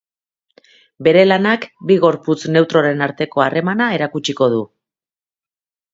Bere lanak bi gorputz neutroren arteko harremana erakutsiko du.